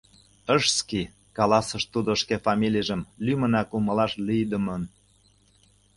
— Шсский... — каласыш тудо шке фамилийжым лӱмынак умылаш лийдымын.